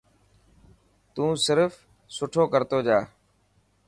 تو صرف سٺو ڪرتو جا.